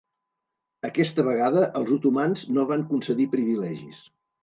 Aquesta vegada els otomans no van concedir privilegis.